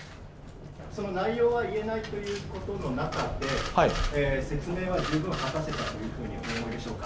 その内容は言えないということの中で、説明は十分果たせたというふうにお思いでしょうか。